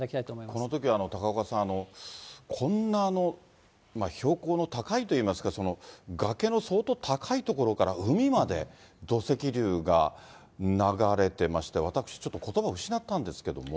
このときは、高岡さん、こんな、標高の高いといいますか、崖の相当高い所から、海まで土石流が流れてまして、私、ちょっとことばを失ったんですけれども。